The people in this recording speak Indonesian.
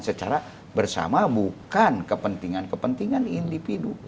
secara bersama bukan kepentingan kepentingan individu